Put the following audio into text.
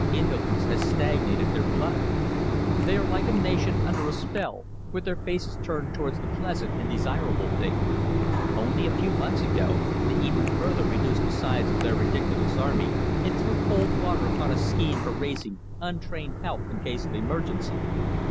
Indolence has stagnated their blood. They are like a nation under a spell, with their faces turned towards the pleasant and desirable things. Only a few months ago, they even further reduced the size of their ridiculous army and threw cold water upon a scheme for raising untrained help in case of emergency.